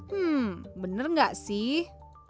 hmm bener gak sih